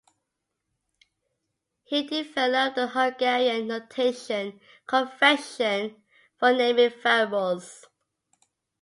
He developed the Hungarian notation convention for naming variables.